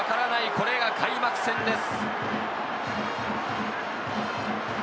これが開幕戦です。